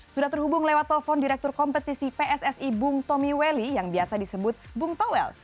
sudah terhubung lewat telepon direktur kompetisi pssi bung tomiweli yang biasa disebut bung tawel